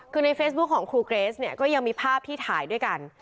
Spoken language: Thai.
คือในเฟซบุ๊คของครูเกรสเนี่ยก็ยังมีภาพที่ถ่ายด้วยกัน